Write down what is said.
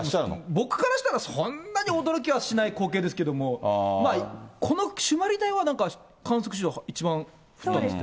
僕からしたら、そんなに驚きはしない光景ですけれども、この朱鞠内はなんか観測史上一番降ったんですって？